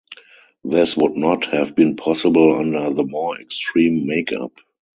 This would not have been possible under the more extreme makeup.